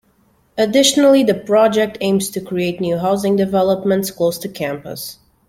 Additionally, the project aims to create new housing developments close to campus.